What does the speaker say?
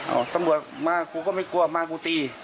ตำรวจมากูก็ไม่กลัวมากูตี